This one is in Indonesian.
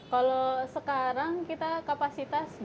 kalau sekarang kita kapasitas dua ratus